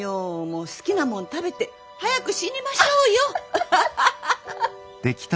もう好きなもの食べて早く死にましょうよ。